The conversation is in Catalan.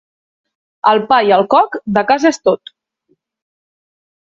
El pa i el coc, de casa és tot.